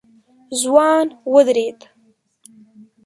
ځوان ودرېد.